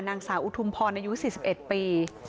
นางสาวอุทุมพรอายุ๔๑ปี